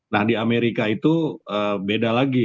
nah di amerika itu beda lagi